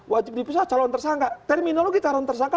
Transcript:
wajib dipisah calon tersangka terminologi calon tersangka